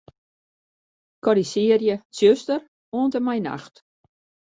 Korrizjearje 'tsjuster' oant en mei 'nacht'.